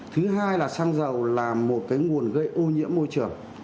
thứ hai là xăng dầu là một cái nguồn gây ô nhiễm môi trường